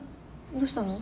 どうしたの？